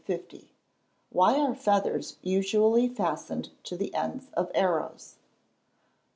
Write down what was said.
_Why are feathers usually fastened to the ends of arrows?